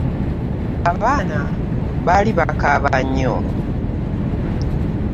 Abaana baali bakaaba nnyo.